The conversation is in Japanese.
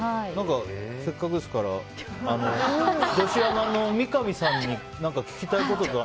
せっかくですから女子アナの三上さんに何か聞きたいこととか。